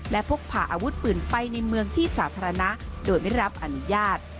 และพกพาอาวุธปืนไปในเมืองที่สาธารณะโดยไม่รับอนุญาต